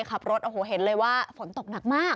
ขับรถโอ้โหเห็นเลยว่าฝนตกหนักมาก